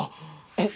えっ？